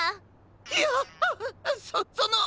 いやあっそその。